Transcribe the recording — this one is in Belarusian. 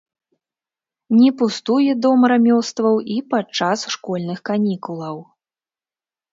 Не пустуе дом рамёстваў і падчас школьных канікулаў.